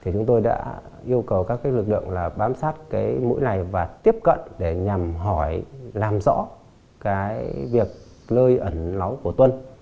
chúng tôi đã yêu cầu các lực lượng bám sát mũi này và tiếp cận để nhằm hỏi làm rõ việc lơi ẩn lóng của tuân